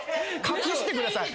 隠してください。